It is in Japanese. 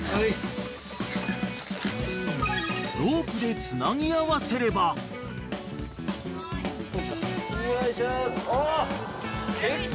［ロープでつなぎ合わせれば］よいしょ。